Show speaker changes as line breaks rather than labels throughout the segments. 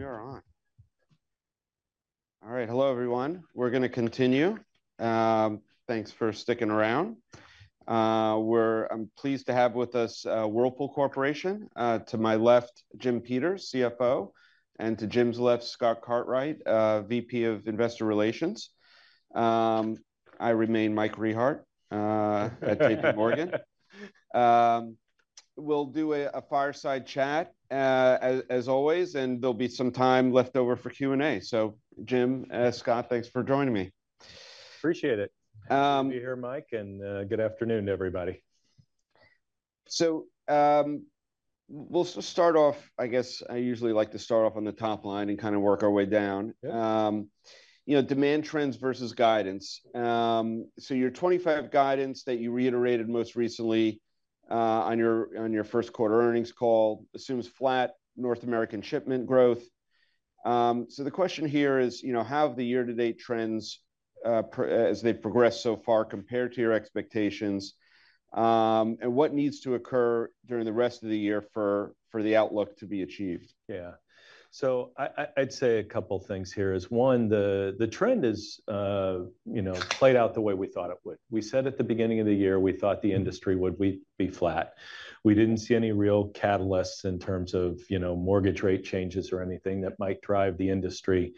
We are on. All right, hello everyone. We're going to continue. Thanks for sticking around. We're—I’m pleased to have with us, Whirlpool Corporation. To my left, Jim Peters, CFO, and to Jim's left, Scott Cartwright, VP of Investor Relations. I remain Mike Rehaut, at JPMorgan. We'll do a fireside chat, as always, and there'll be some time left over for Q&A. Jim, Scott, thanks for joining me.
Appreciate it. Happy to hear, Mike, and good afternoon, everybody.
We'll start off, I guess I usually like to start off on the top line and kind of work our way down. You know, demand trends versus guidance. Your 2025 guidance that you reiterated most recently, on your first quarter earnings call, assumes flat North American shipment growth. The question here is, you know, how have the year-to-date trends, as they progress so far, compared to your expectations? What needs to occur during the rest of the year for the outlook to be achieved?
Yeah. I'd say a couple things here is one, the trend is, you know, played out the way we thought it would. We said at the beginning of the year we thought the industry would be flat. We didn't see any real catalysts in terms of, you know, mortgage rate changes or anything that might drive the industry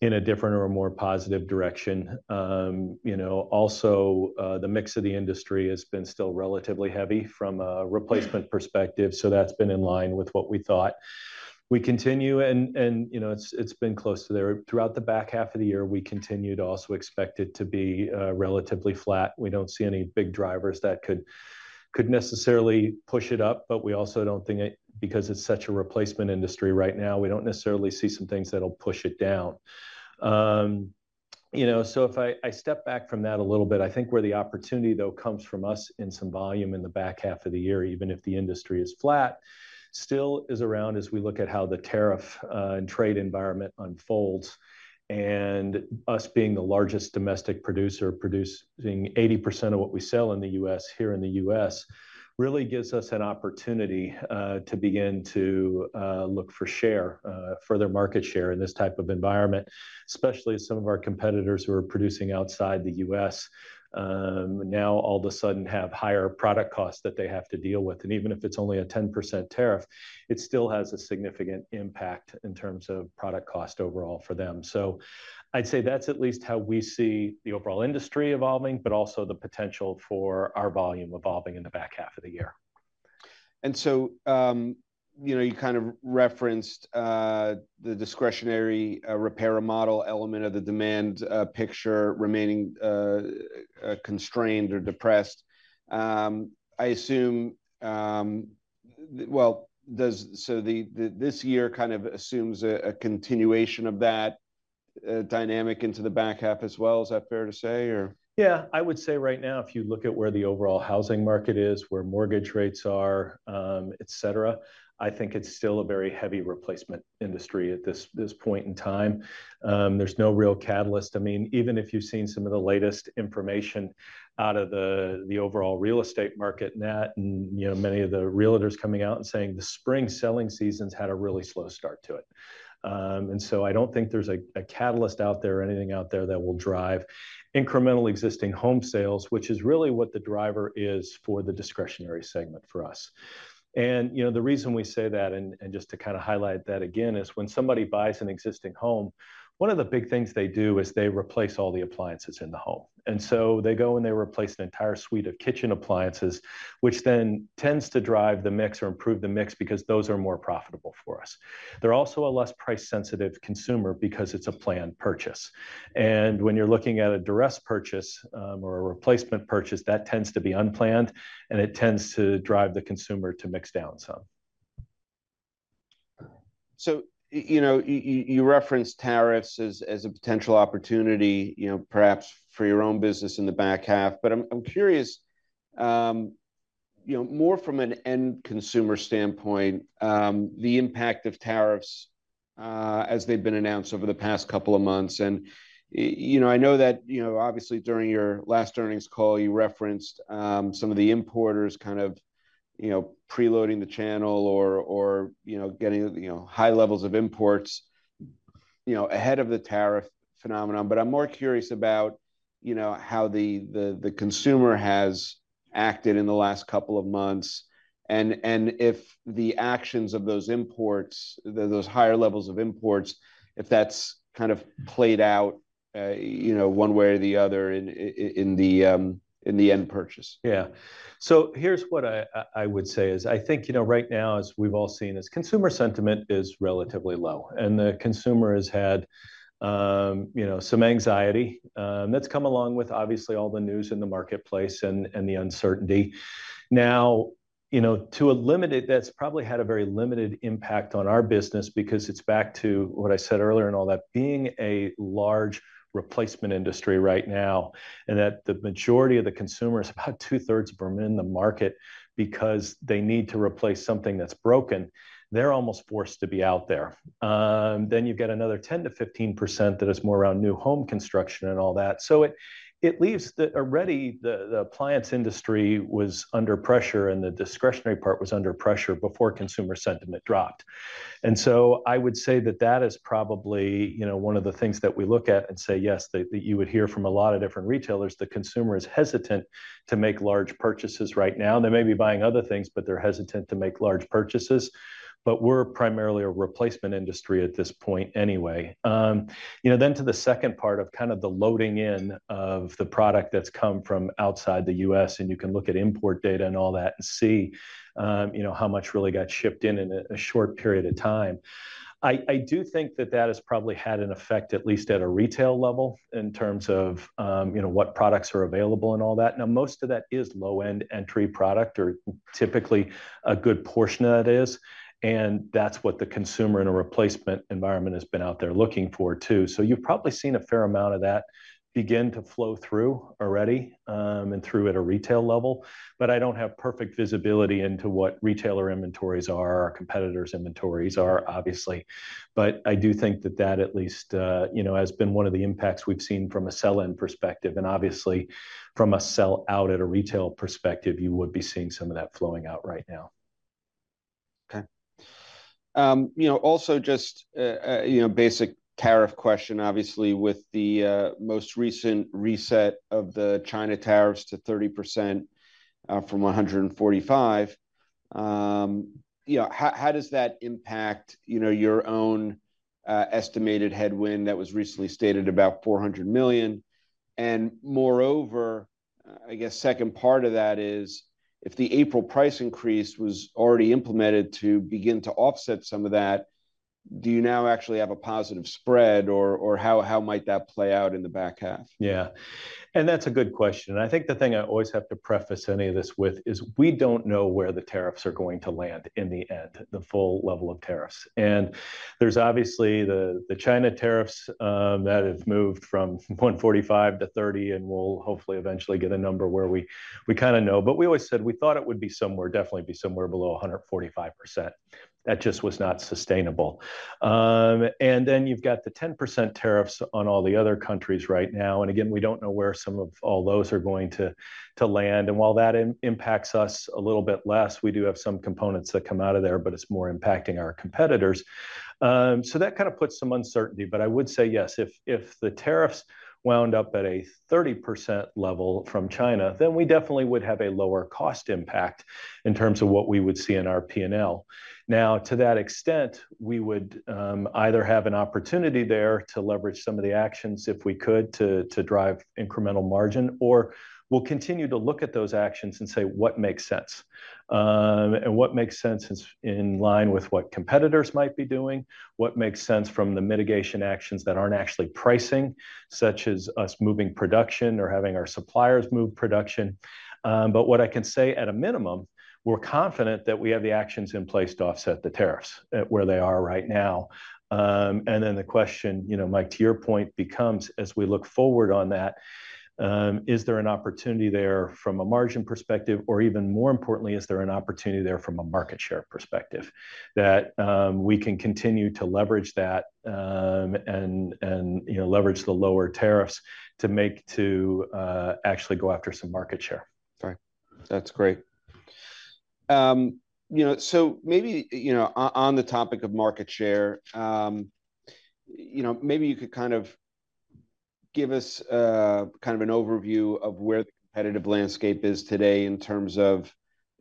in a different or a more positive direction. You know, also, the mix of the industry has been still relatively heavy from a replacement perspective. So that's been in line with what we thought. We continue and, you know, it's been close to there throughout the back half of the year. We continue to also expect it to be relatively flat. We don't see any big drivers that could, could necessarily push it up, but we also don't think it, because it's such a replacement industry right now, we don't necessarily see some things that'll push it down. You know, so if I step back from that a little bit, I think where the opportunity though comes from us in some volume in the back half of the year, even if the industry is flat, still is around as we look at how the tariff and trade environment unfolds. Us being the largest domestic producer, producing 80% of what we sell in the U.S. here in the U.S. really gives us an opportunity to begin to look for share, further market share in this type of environment, especially as some of our competitors who are producing outside the U.S. now all of a sudden have higher product costs that they have to deal with. Even if it's only a 10% tariff, it still has a significant impact in terms of product cost overall for them. I'd say that's at least how we see the overall industry evolving, but also the potential for our volume evolving in the back half of the year.
You know, you kind of referenced the discretionary, repair model element of the demand picture remaining constrained or depressed. I assume, does this year kind of assume a continuation of that dynamic into the back half as well? Is that fair to say or?
Yeah, I would say right now, if you look at where the overall housing market is, where mortgage rates are, et cetera, I think it's still a very heavy replacement industry at this point in time. There's no real catalyst. I mean, even if you've seen some of the latest information out of the overall real estate market and, you know, many of the realtors coming out and saying the spring selling season's had a really slow start to it. I don't think there's a catalyst out there or anything out there that will drive incremental existing home sales, which is really what the driver is for the discretionary segment for us. You know, the reason we say that, and just to kind of highlight that again, is when somebody buys an existing home, one of the big things they do is they replace all the appliances in the home. They go and they replace an entire suite of kitchen appliances, which then tends to drive the mix or improve the mix because those are more profitable for us. They're also a less price-sensitive consumer because it's a planned purchase. When you're looking at a duress purchase, or a replacement purchase, that tends to be unplanned and it tends to drive the consumer to mix down some.
You referenced tariffs as a potential opportunity, perhaps for your own business in the back half, but I'm curious, more from an end consumer standpoint, the impact of tariffs as they've been announced over the past couple of months. I know that, obviously during your last earnings call, you referenced some of the importers kind of preloading the channel or getting high levels of imports ahead of the tariff phenomenon. I'm more curious about how the consumer has acted in the last couple of months and if the actions of those imports, those higher levels of imports, if that's kind of played out one way or the other in the end purchase.
Yeah. So here's what I would say is I think, you know, right now, as we've all seen, is consumer sentiment is relatively low and the consumer has had, you know, some anxiety, that's come along with obviously all the news in the marketplace and the uncertainty. Now, you know, to a limited, that's probably had a very limited impact on our business because it's back to what I said earlier and all that being a large replacement industry right now and that the majority of the consumers, about 2/3 of them in the market, because they need to replace something that's broken, they're almost forced to be out there. Then you've got another 10%-15% that is more around new home construction and all that. It leaves the already, the appliance industry was under pressure and the discretionary part was under pressure before consumer sentiment dropped. I would say that that is probably, you know, one of the things that we look at and say, yes, that you would hear from a lot of different retailers, the consumer is hesitant to make large purchases right now. They may be buying other things, but they are hesitant to make large purchases, but we are primarily a replacement industry at this point anyway. You know, to the second part of kind of the loading in of the product that has come from outside the U.S. and you can look at import data and all that and see, you know, how much really got shipped in in a short period of time. I do think that has probably had an effect at least at a retail level in terms of, you know, what products are available and all that. Now, most of that is low-end entry product or typically a good portion of that is. And that's what the consumer in a replacement environment has been out there looking for too. You have probably seen a fair amount of that begin to flow through already, and through at a retail level, but I do not have perfect visibility into what retailer inventories are, our competitors' inventories are obviously, but I do think that at least, you know, has been one of the impacts we have seen from a sell-in perspective. Obviously from a sell-out at a retail perspective, you would be seeing some of that flowing out right now.
Okay. You know, also just, you know, basic tariff question, obviously with the most recent reset of the China tariffs to 30%, from 145%. You know, how does that impact, you know, your own estimated headwind that was recently stated about $400 million? And moreover, I guess second part of that is if the April price increase was already implemented to begin to offset some of that, do you now actually have a positive spread or, or how, how might that play out in the back half?
Yeah. That's a good question. I think the thing I always have to preface any of this with is we do not know where the tariffs are going to land in the end, the full level of tariffs. There is obviously the China tariffs that have moved from 145% to 30%, and we will hopefully eventually get a number where we kind of know, but we always said we thought it would definitely be somewhere below 145%. That just was not sustainable. You have the 10% tariffs on all the other countries right now. Again, we do not know where some of all those are going to land. While that impacts us a little bit less, we do have some components that come out of there, but it is more impacting our competitors. That kind of puts some uncertainty, but I would say yes, if the tariffs wound up at a 30% level from China, then we definitely would have a lower cost impact in terms of what we would see in our P&L. To that extent, we would either have an opportunity there to leverage some of the actions if we could to drive incremental margin, or we will continue to look at those actions and say what makes sense. What makes sense is in line with what competitors might be doing, what makes sense from the mitigation actions that are not actually pricing, such as us moving production or having our suppliers move production. What I can say at a minimum, we are confident that we have the actions in place to offset the tariffs at where they are right now. And then the question, you know, Mike, to your point, becomes as we look forward on that, is there an opportunity there from a margin perspective or even more importantly, is there an opportunity there from a market share perspective that we can continue to leverage that, and, you know, leverage the lower tariffs to actually go after some market share.
Right. That's great. You know, so maybe, you know, on the topic of market share, you know, maybe you could kind of give us, kind of an overview of where the competitive landscape is today in terms of,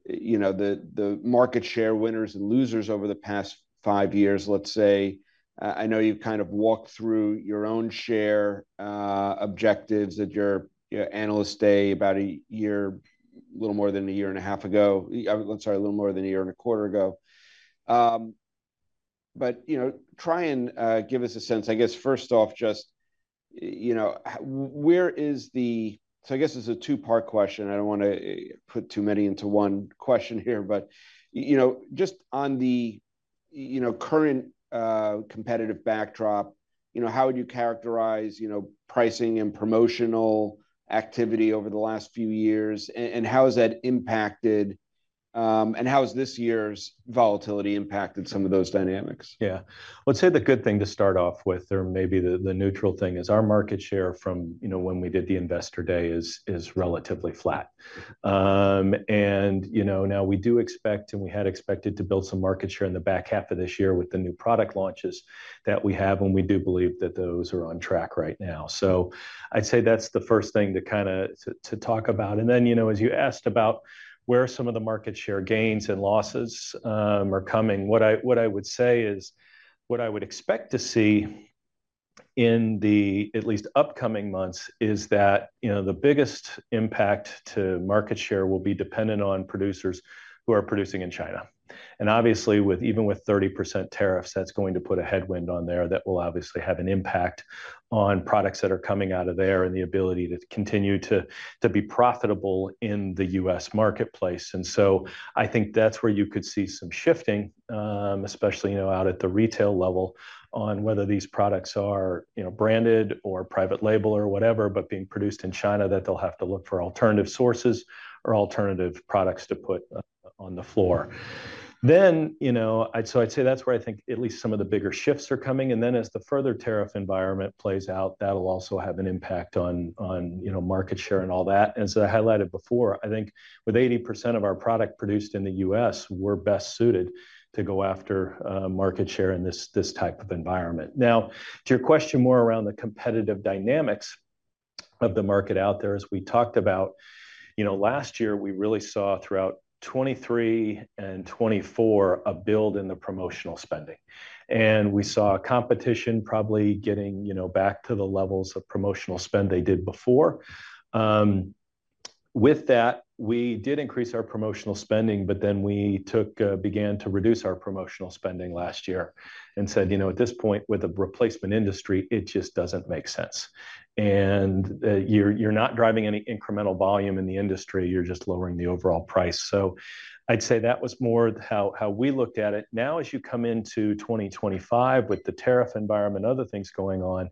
you know, the market share winners and losers over the past five years, let's say. I know you kind of walked through your own share objectives at your analyst day about a year, a little more than a year and a half ago. I'm sorry, a little more than a year and a quarter ago. But, you know, try and give us a sense, I guess, first off, just, you know, where is the, so I guess it's a two-part question. I don't wanna put too many into one question here, but, you know, just on the, you know, current, competitive backdrop, you know, how would you characterize, you know, pricing and promotional activity over the last few years, and how has that impacted, and how has this year's volatility impacted some of those dynamics?
Yeah. Let's say the good thing to start off with, or maybe the neutral thing, is our market share from, you know, when we did the Investor Day, is relatively flat. You know, now we do expect and we had expected to build some market share in the back half of this year with the new product launches that we have, and we do believe that those are on track right now. I'd say that's the first thing to kind of talk about. You know, as you asked about where some of the market share gains and losses are coming, what I would say is what I would expect to see in the at least upcoming months is that, you know, the biggest impact to market share will be dependent on producers who are producing in China. Obviously, even with 30% tariffs, that's going to put a headwind on there that will obviously have an impact on products that are coming out of there and the ability to continue to be profitable in the U.S. marketplace. I think that's where you could see some shifting, especially, you know, at the retail level on whether these products are, you know, branded or private label or whatever, but being produced in China, that they'll have to look for alternative sources or alternative products to put on the floor. I'd say that's where I think at least some of the bigger shifts are coming. As the further tariff environment plays out, that'll also have an impact on, you know, market share and all that. As I highlighted before, I think with 80% of our product produced in the U.S., we're best suited to go after market share in this type of environment. To your question more around the competitive dynamics of the market out there, as we talked about, you know, last year we really saw throughout 2023 and 2024 a build in the promotional spending. We saw competition probably getting, you know, back to the levels of promotional spend they did before. With that, we did increase our promotional spending, but then we began to reduce our promotional spending last year and said, you know, at this point with a replacement industry, it just doesn't make sense. You're not driving any incremental volume in the industry, you're just lowering the overall price. I'd say that was more how we looked at it. Now, as you come into 2025 with the tariff environment, other things going on,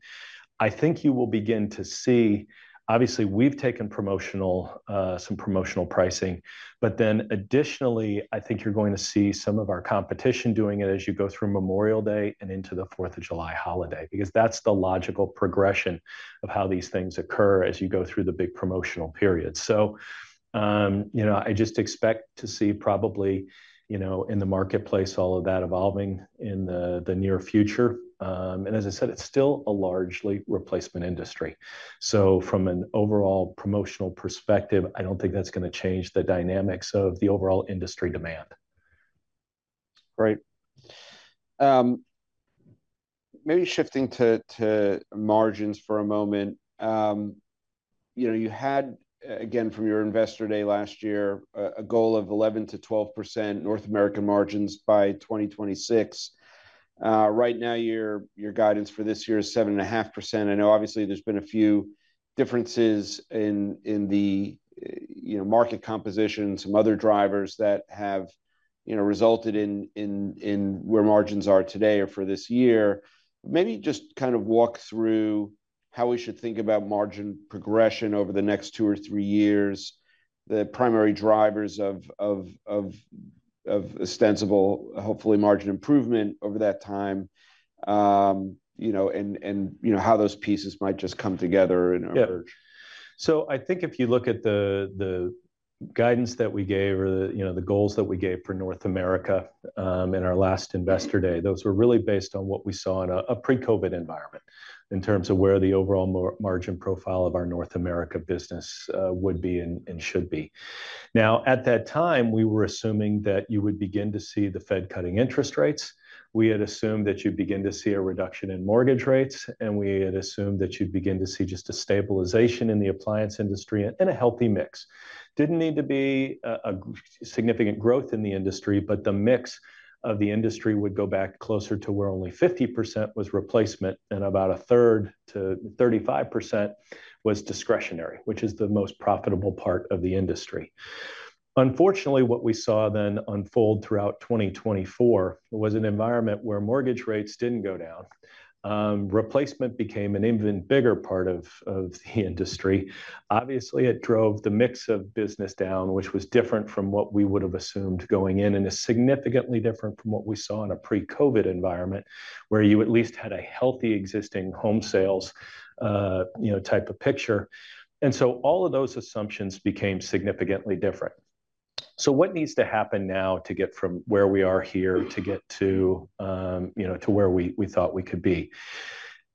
I think you will begin to see, obviously we've taken some promotional pricing, but then additionally, I think you're going to see some of our competition doing it as you go through Memorial Day and into the 4th of July holiday, because that's the logical progression of how these things occur as you go through the big promotional period. You know, I just expect to see probably, you know, in the marketplace, all of that evolving in the near future. As I said, it's still a largely replacement industry. From an overall promotional perspective, I don't think that's gonna change the dynamics of the overall industry demand.
Great. Maybe shifting to margins for a moment. You know, you had, again, from your Investor Day last year, a goal of 11%-12% North America margins by 2026. Right now your guidance for this year is 7.5%. I know obviously there have been a few differences in the, you know, market composition, some other drivers that have, you know, resulted in where margins are today or for this year. Maybe just kind of walk through how we should think about margin progression over the next two or three years, the primary drivers of, hopefully, margin improvement over that time. You know, and, you know, how those pieces might just come together and emerge.
Yeah. I think if you look at the guidance that we gave or the, you know, the goals that we gave for North America, in our last Investor Day, those were really based on what we saw in a pre-COVID environment in terms of where the overall margin profile of our North America business would be and should be. At that time, we were assuming that you would begin to see the Fed cutting interest rates. We had assumed that you would begin to see a reduction in mortgage rates, and we had assumed that you would begin to see just a stabilization in the appliance industry and a healthy mix. Didn't need to be a significant growth in the industry, but the mix of the industry would go back closer to where only 50% was replacement and about 1/3 to 35% was discretionary, which is the most profitable part of the industry. Unfortunately, what we saw then unfold throughout 2024 was an environment where mortgage rates didn't go down. Replacement became an even bigger part of the industry. Obviously, it drove the mix of business down, which was different from what we would've assumed going in and is significantly different from what we saw in a pre-COVID environment where you at least had a healthy existing home sales, you know, type of picture. All of those assumptions became significantly different. What needs to happen now to get from where we are here to get to, you know, to where we thought we could be?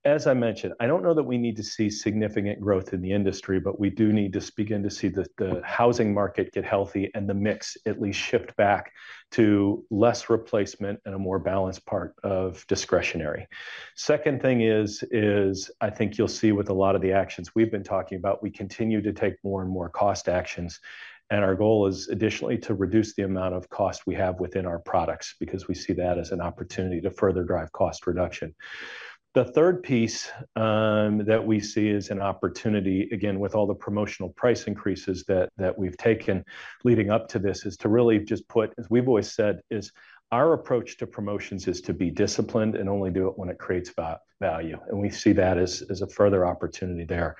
As I mentioned, I do not know that we need to see significant growth in the industry, but we do need to begin to see the housing market get healthy and the mix at least shift back to less replacement and a more balanced part of discretionary. The second thing is, I think you will see with a lot of the actions we have been talking about, we continue to take more and more cost actions. Our goal is additionally to reduce the amount of cost we have within our products because we see that as an opportunity to further drive cost reduction. The third piece that we see is an opportunity, again, with all the promotional price increases that we've taken leading up to this, is to really just put, as we've always said, our approach to promotions is to be disciplined and only do it when it creates value. We see that as a further opportunity there.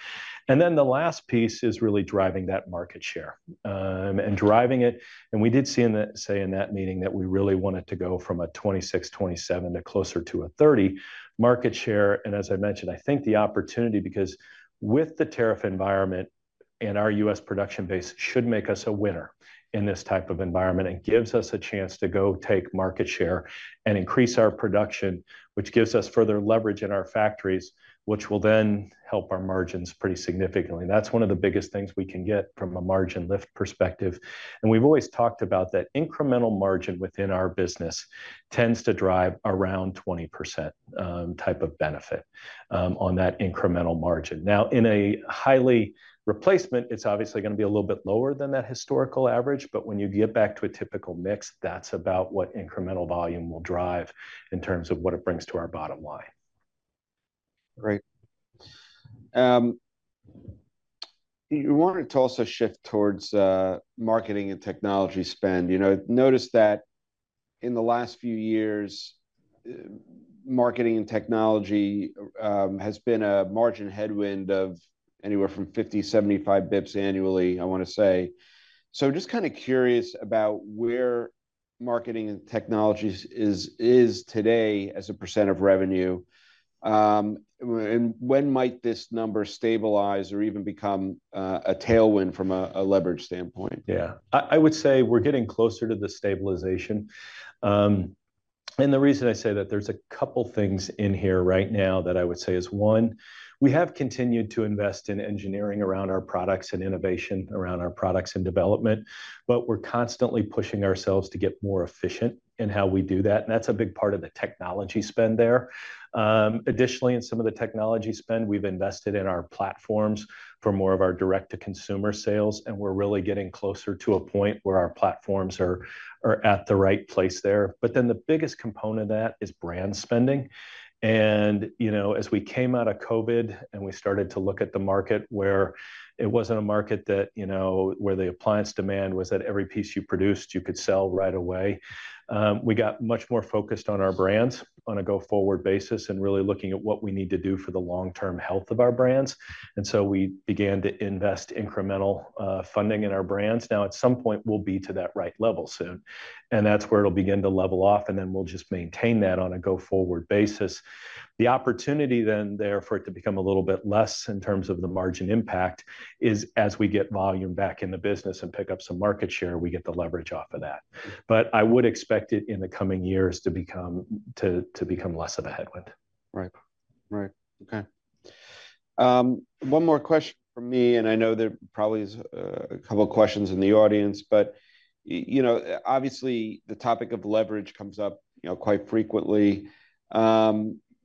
The last piece is really driving that market share, and driving it. We did see in that meeting that we really wanted to go from a 26%-27% to closer to a 30% market share. As I mentioned, I think the opportunity, because with the tariff environment and our U.S. production base, should make us a winner in this type of environment and gives us a chance to go take market share and increase our production, which gives us further leverage in our factories, which will then help our margins pretty significantly. That is one of the biggest things we can get from a margin lift perspective. We have always talked about that incremental margin within our business tends to drive around 20% type of benefit on that incremental margin. Now, in a highly replacement, it is obviously gonna be a little bit lower than that historical average, but when you get back to a typical mix, that is about what incremental volume will drive in terms of what it brings to our bottom line.
Great. You wanted to also shift towards marketing and technology spend. You know, notice that in the last few years, marketing and technology has been a margin headwind of anywhere from 50-75 basis points annually, I wanna say. Just kind of curious about where marketing and technology is today as a percent of revenue, and when might this number stabilize or even become a tailwind from a leverage standpoint?
Yeah. I would say we're getting closer to the stabilization. The reason I say that, there's a couple things in here right now that I would say is, one, we have continued to invest in engineering around our products and innovation around our products and development, but we're constantly pushing ourselves to get more efficient in how we do that. That's a big part of the technology spend there. Additionally, in some of the technology spend, we've invested in our platforms for more of our direct-to-consumer sales, and we're really getting closer to a point where our platforms are at the right place there. The biggest component of that is brand spending. You know, as we came out of COVID and we started to look at the market where it was not a market that, you know, where the appliance demand was that every piece you produced, you could sell right away. We got much more focused on our brands on a go-forward basis and really looking at what we need to do for the long-term health of our brands. We began to invest incremental funding in our brands. At some point, we will be to that right level soon, and that is where it will begin to level off, and then we will just maintain that on a go-forward basis. The opportunity then for it to become a little bit less in terms of the margin impact is as we get volume back in the business and pick up some market share, we get the leverage off of that. I would expect it in the coming years to become less of a headwind.
Right. Right. Okay. One more question for me, and I know there probably is a couple questions in the audience, but you know, obviously the topic of leverage comes up, you know, quite frequently.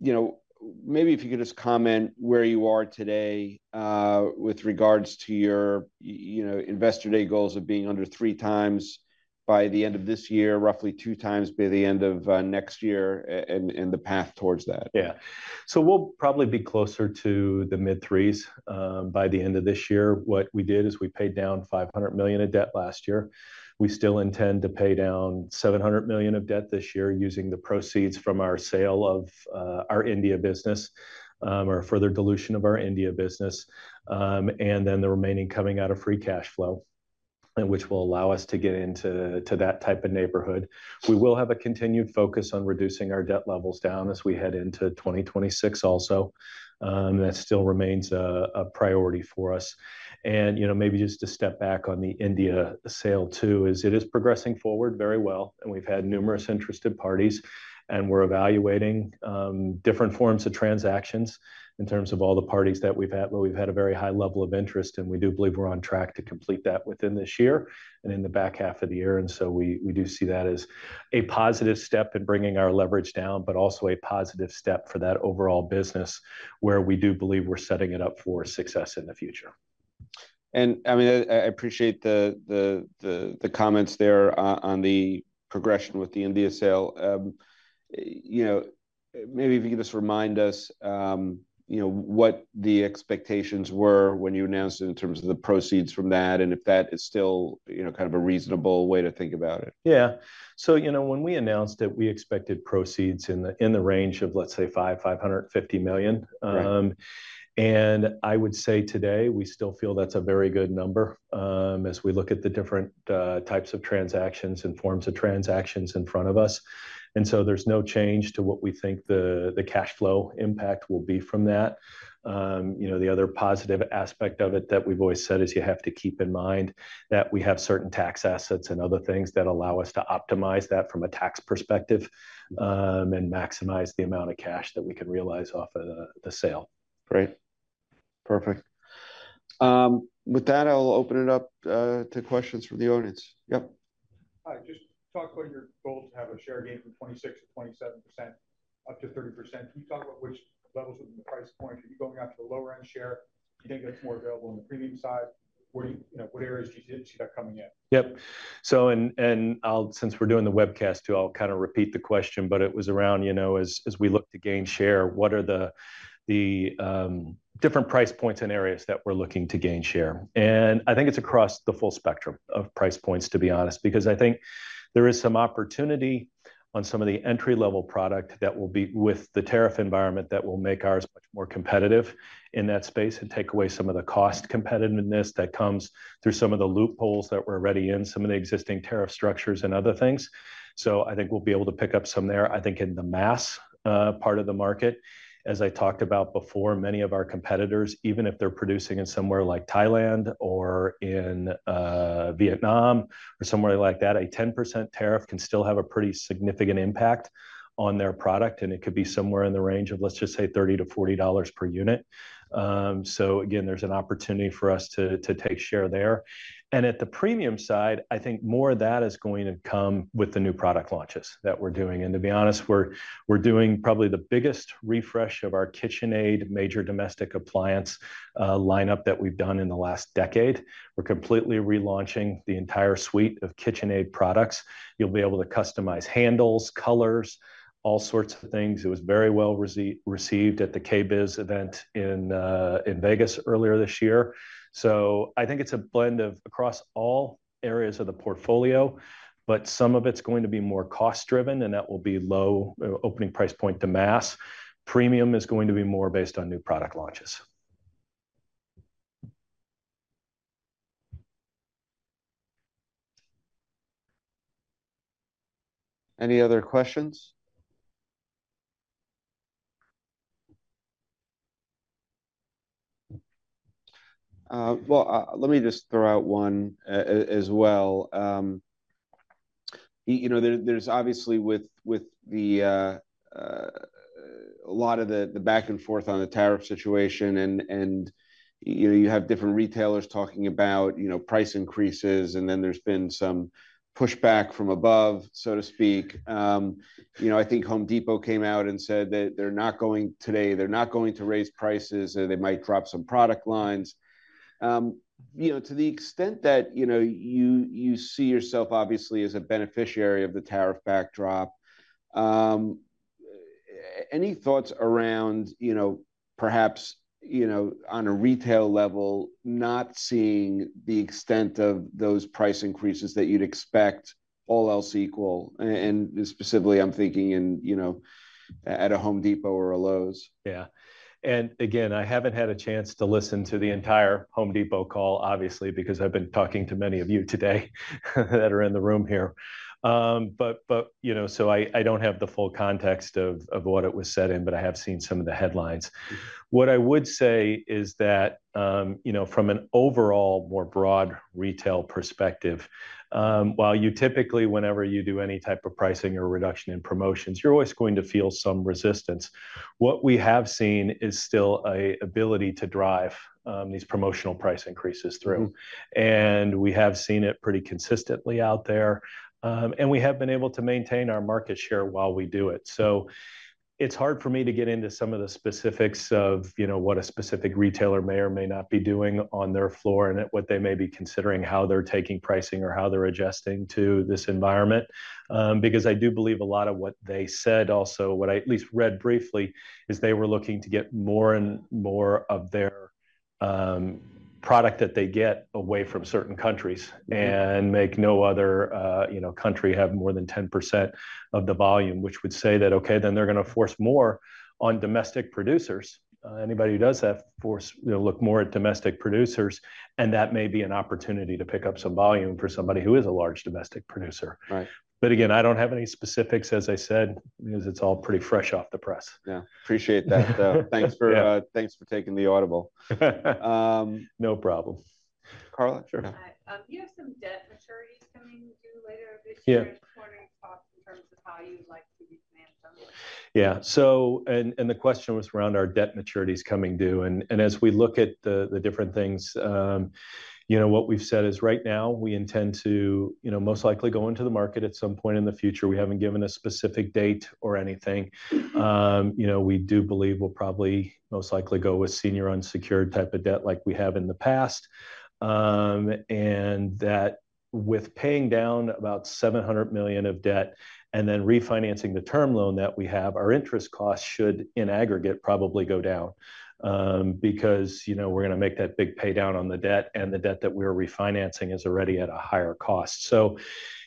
You know, maybe if you could just comment where you are today, with regards to your, you know, Investor Day goals of being under 3x by the end of this year, roughly 2x by the end of next year and the path towards that.
Yeah. We'll probably be closer to the mid-threes by the end of this year. What we did is we paid down $500 million of debt last year. We still intend to pay down $700 million of debt this year using the proceeds from our sale of our India business, or further dilution of our India business, and then the remaining coming out of free cash flow, which will allow us to get into that type of neighborhood. We will have a continued focus on reducing our debt levels down as we head into 2026 also. That still remains a priority for us. You know, maybe just to step back on the India sale too, is it is progressing forward very well. We have had numerous interested parties and we are evaluating different forms of transactions in terms of all the parties that we have had, but we have had a very high level of interest and we do believe we are on track to complete that within this year and in the back half of the year. We do see that as a positive step in bringing our leverage down, but also a positive step for that overall business where we do believe we are setting it up for success in the future.
I mean, I appreciate the comments there on the progression with the India sale. You know, maybe if you could just remind us, you know, what the expectations were when you announced it in terms of the proceeds from that and if that is still, you know, kind of a reasonable way to think about it.
Yeah. So, you know, when we announced it, we expected proceeds in the, in the range of, let's say, $500 million-$550 million. And I would say today we still feel that's a very good number, as we look at the different types of transactions and forms of transactions in front of us. And so there's no change to what we think the cash flow impact will be from that. You know, the other positive aspect of it that we've always said is you have to keep in mind that we have certain tax assets and other things that allow us to optimize that from a tax perspective, and maximize the amount of cash that we can realize off of the sale.
Great. Perfect. With that, I'll open it up to questions from the audience. Yep. Hi. Just talk about your goal to have a share gain from 26%-27% up to 30%. Can you talk about which levels of the price point are you going after, the lower end share? Do you think that's more available in the premium side? Where do you, you know, what areas do you see that coming in?
Yep. And I'll, since we're doing the webcast too, I'll kind of repeat the question, but it was around, you know, as we look to gain share, what are the different price points and areas that we're looking to gain share? I think it's across the full spectrum of price points, to be honest, because I think there is some opportunity on some of the entry-level product that will be with the tariff environment that will make ours much more competitive in that space and take away some of the cost competitiveness that comes through some of the loopholes that we're already in, some of the existing tariff structures and other things. I think we'll be able to pick up some there. I think in the mass part of the market, as I talked about before, many of our competitors, even if they're producing in somewhere like Thailand or in Vietnam or somewhere like that, a 10% tariff can still have a pretty significant impact on their product, and it could be somewhere in the range of, let's just say, $30-$40 per unit. Again, there's an opportunity for us to take share there. At the premium side, I think more of that is going to come with the new product launches that we're doing. To be honest, we're probably doing the biggest refresh of our KitchenAid major domestic appliance lineup that we've done in the last decade. We're completely relaunching the entire suite of KitchenAid products. You'll be able to customize handles, colors, all sorts of things. It was very well received at the KBIS event in Vegas earlier this year. I think it's a blend of across all areas of the portfolio, but some of it's going to be more cost-driven and that will be low opening price point to mass. Premium is going to be more based on new product lines.
Any other questions? Let me just throw out one, as well. You know, there is obviously, with a lot of the back and forth on the tariff situation, and, you know, you have different retailers talking about price increases, and then there has been some pushback from above, so to speak. You know, I think Home Depot came out and said that they are not going today, they are not going to raise prices, or they might drop some product lines. You know, to the extent that you see yourself obviously as a beneficiary of the tariff backdrop, any thoughts around, you know, perhaps, on a retail level, not seeing the extent of those price increases that you would expect all else equal? Specifically, I am thinking in, you know, at a Home Depot or a Lowe's.
Yeah. Again, I have not had a chance to listen to the entire Home Depot call, obviously, because I have been talking to many of you today that are in the room here. But, you know, I do not have the full context of what it was said in, but I have seen some of the headlines. What I would say is that, you know, from an overall more broad retail perspective, while you typically, whenever you do any type of pricing or reduction in promotions, you are always going to feel some resistance, what we have seen is still an ability to drive these promotional price increases through. We have seen it pretty consistently out there, and we have been able to maintain our market share while we do it. It's hard for me to get into some of the specifics of, you know, what a specific retailer may or may not be doing on their floor and what they may be considering, how they're taking pricing or how they're adjusting to this environment. I do believe a lot of what they said also, what I at least read briefly, is they were looking to get more and more of their product that they get away from certain countries and make no other, you know, country have more than 10% of the volume, which would say that, okay, then they're gonna force more on domestic producers. Anybody who does that, force, you know, look more at domestic producers, and that may be an opportunity to pick up some volume for somebody who is a large domestic producer.
Right.
Again, I don't have any specifics, as I said, because it's all pretty fresh off the press.
Yeah. Appreciate that. Thanks for, thanks for taking the audible.
No problem.
Carla? Sure. Do you have some debt maturities coming due later this year? I was wondering in terms of how you'd like to refinance them?
Yeah. The question was around our debt maturities coming due. As we look at the different things, you know, what we've said is right now we intend to, you know, most likely go into the market at some point in the future. We have not given a specific date or anything. You know, we do believe we will probably most likely go with senior unsecured type of debt like we have in the past. With paying down about $700 million of debt and then refinancing the term loan that we have, our interest costs should in aggregate probably go down because, you know, we are going to make that big pay down on the debt and the debt that we are refinancing is already at a higher cost.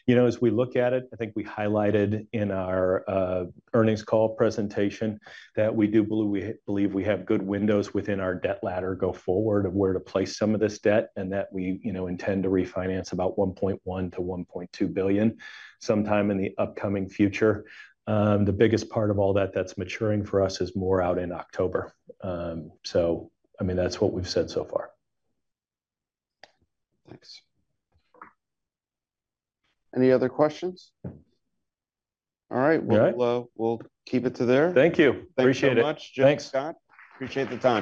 You know, as we look at it, I think we highlighted in our earnings call presentation that we do believe we have good windows within our debt ladder going forward of where to place some of this debt and that we intend to refinance about $1.1 billion-$1.2 billion sometime in the upcoming future. The biggest part of all that that's maturing for us is more out in October. I mean, that's what we've said so far.
Thanks. Any other questions? All right, we'll keep it to there.
Thank you. Appreciate it.
Thanks so much, Scott. Appreciate the time.